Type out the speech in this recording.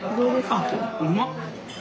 あうまっ！